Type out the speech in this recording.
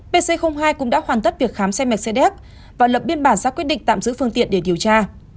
pc hai cũng đã hoàn tất việc khám xe mercedes và lập biên bản ra quyết định tạm giữ phương tiện để điều tra